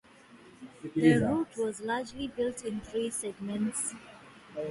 The route was largely built in three segments.